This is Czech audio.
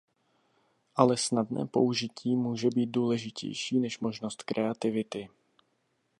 Ale snadné použití může být důležitější než možnost kreativity.